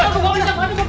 tangkap aja tangkap